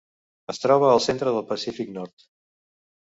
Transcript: Es troba al centre del Pacífic nord.